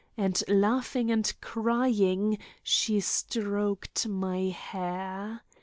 And, laughing and crying, she stroked my hair.